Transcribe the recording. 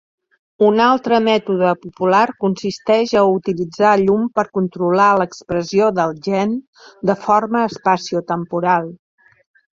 Un altre mètode popular consisteix a utilitzar llum per controlar l'expressió del gen de forma espaciotemporal.